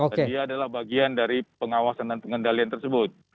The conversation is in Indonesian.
dia adalah bagian dari pengawasan dan pengendalian tersebut